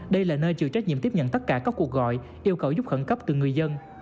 đây là nơi chịu trách nhiệm tiếp nhận tất cả các cuộc gọi yêu cầu giúp khẩn cấp từ người dân